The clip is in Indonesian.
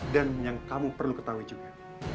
dan yang kamu perlu ketahui juga